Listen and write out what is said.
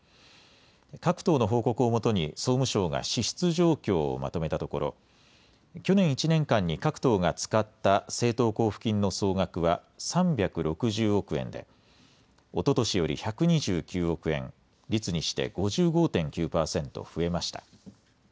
各党の報告を基に総務省が支出状況をまとめたところ、去年１年間に各党が使った政党交付金の総額は、３６０億円で、おととしより１２９億円、率にして５５．９％増えました。